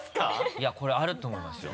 いやこれあると思いますよ。